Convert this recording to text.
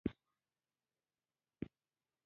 پر تا وده بازار چې راسې ، پر ايمان وبيرېږه.